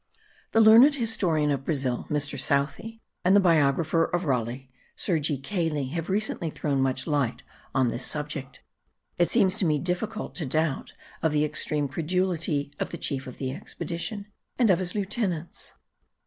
The learned historian of Brazil, Mr. Southey, and the biographer of Raleigh, Sir G. Cayley, have recently thrown much light on this subject. It seems to me difficult to doubt of the extreme credulity of the chief of the expedition, and of his lieutenants.